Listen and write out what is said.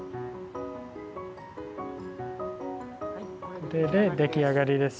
これで出来上がりです。